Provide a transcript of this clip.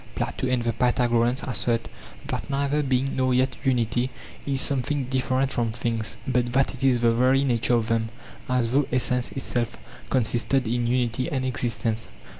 Plato and the Pythagoreans assert that neither being nor yet unity is something different from things, but that it is the very nature of them, as though essence itself consisted in unity and existence.